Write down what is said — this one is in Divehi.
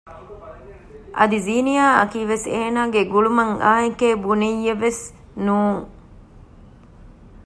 އަދި ޒީނިޔާ އަކީ ވެސް އޭނާގެ ގުޅުމަށް އާއެކޭ ބުނިއްޔެއްވެސް ނޫން